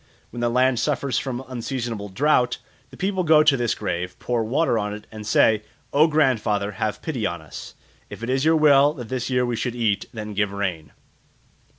When the land suffers from unseasonable drought, the people go to this grave, pour water on it, and say, "O grandfather, have pity on us; if it is your will that this year we should eat, then give rain."